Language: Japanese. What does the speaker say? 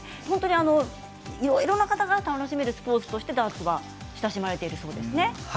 いろいろな方が楽しめるスポーツとしてダーツが親しまれているんですよね。